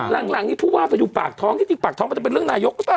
หลังนี้ผู้ว่าไปดูปากท้องที่จริงปากท้องมันจะเป็นเรื่องนายกหรือเปล่า